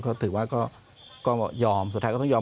ก็ถือว่าก็ยอมสุดท้ายก็ต้องยอม